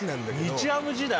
日ハム時代。